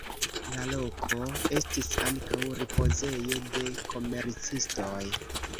La loko estis ankaŭ ripozejo de komercistoj.